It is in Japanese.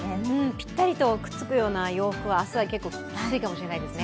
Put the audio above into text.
ぴったりとくっつくような洋服は明日はきついかもしれないですね。